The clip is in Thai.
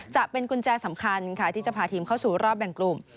จะเป็นกุญแจสำคัญค่ะที่จะพาทีมเข้าสู่รอบแบ่งกลุ่ม